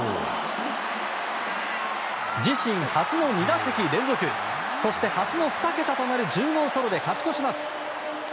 自身初の２打席連続そして初の２桁となる１０号ソロで勝ち越します。